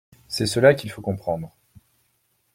C’est cela qu’il faut comprendre.